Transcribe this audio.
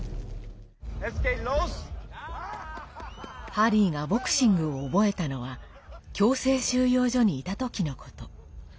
ハリーがボクシングを覚えたのは強制収容所にいた時のこと。